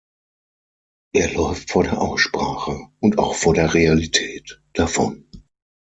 Er läuft vor der Aussprache, und auch vor der Realität, davon.